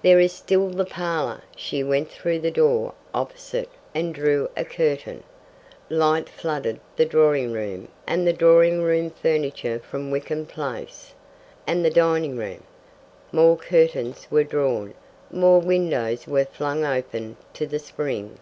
"There is still the parlour." She went through the door opposite and drew a curtain. Light flooded the drawing room and the drawing room furniture from Wickham Place. "And the dining room." More curtains were drawn, more windows were flung open to the spring.